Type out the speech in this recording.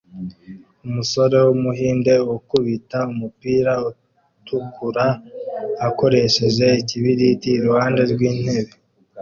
Umusore wumuhinde ukubita umupira utukura akoresheje ikibiriti iruhande rwintebe